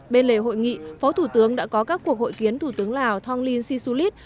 bên lề hội nghị phó thủ tướng đã có các cuộc hội kiến thủ tướng lào thong linh si su lít